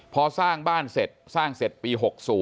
พอสร้างบ้านเสร็จสร้างเสร็จปี๖๐